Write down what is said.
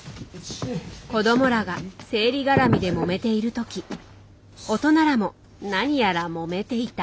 子供らが生理絡みでもめている時大人らも何やらもめていた。